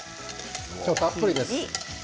たっぷりです。